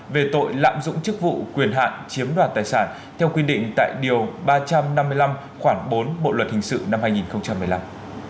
về tội lạm dụng chức vụ quyền hạn chiếm đoạt tài sản theo quy định tại điều ba trăm năm mươi năm khoảng bốn bộ luật hình sự năm hai nghìn một mươi năm